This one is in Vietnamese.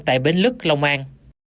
tại bến lức long an